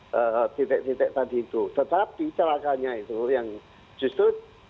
ke titik titik tadi itu tetapi celakanya itu yang justru